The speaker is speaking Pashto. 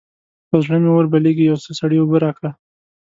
پر زړه مې اور بلېږي؛ يو څه سړې اوبه راکړه.